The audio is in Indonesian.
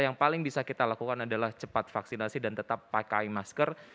yang paling bisa kita lakukan adalah cepat vaksinasi dan tetap pakai masker